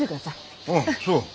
あっそう？